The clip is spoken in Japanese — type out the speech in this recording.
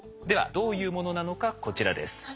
ではどういうものなのかこちらです。